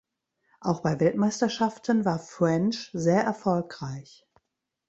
Auch bei Weltmeisterschaften war French sehr erfolgreich.